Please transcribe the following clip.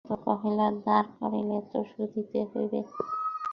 ভাগবত কহিল, ধার করিলে তো শুধিতে হইবে।